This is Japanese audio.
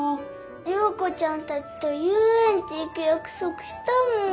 リョーコちゃんたちとゆうえんち行くやくそくしたもん。